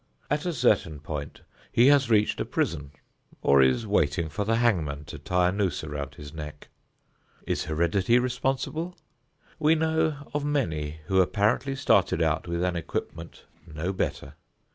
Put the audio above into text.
At a certain point he has reached a prison or is waiting for the hangman to tie a noose around his neck. Is heredity responsible? We know of many who apparently started out with an equipment no better.